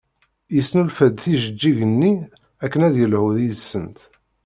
Yesnulfa-d tijeǧǧigin-nni akken ad yelhu deg-sent.